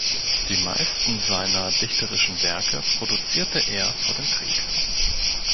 Die meisten seiner dichterischen Werke produzierte er vor dem Krieg.